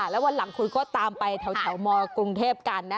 แล้ววันหลังคุณก็ตามไปแถวมกรุงเทพกันนะ